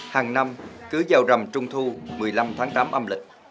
hàng năm cứ vào rằm trung thu một mươi năm tháng tám âm lịch